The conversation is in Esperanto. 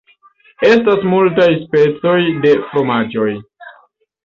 Estas multaj specoj de fromaĝoj.